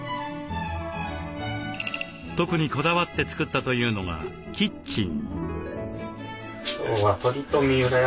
特にこだわって作ったというのがキッチン。